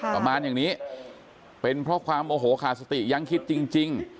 ประมาณอย่างนี้เป็นเพราะความโอโหขาดสติยังคิดจริง